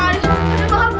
ini bukan balik pak